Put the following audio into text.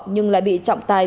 nhưng lại bị trọng tài